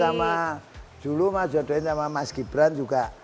sudah dulu mah dijodohin sama mas gibran juga